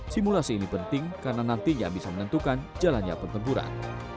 simulasi ini penting karena nantinya bisa menentukan jalannya pertempuran